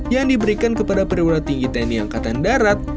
yang diberikan kepada perwira tinggi tni angkatan darat